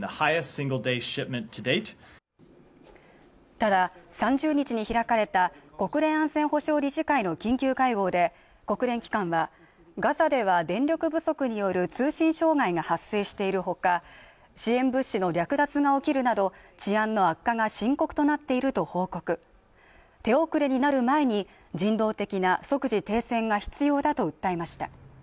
ただ３０日に開かれた国連安全保障理事会の緊急会合で国連機関はガザでは電力不足による通信障害が発生しているほか支援物資の略奪が起きるなど治安の悪化が深刻となっていると報告手遅れになる前に人道的な即時停戦が必要だと訴えました